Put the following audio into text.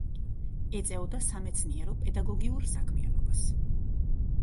ეწეოდა სამეცნიერო-პედაგოგიურ საქმიანობას.